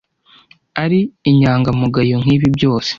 ari inyangamugayo nkibi byose.